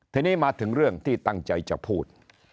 ทีนี้มาถึงเรื่องที่ตั้งใจจะพูด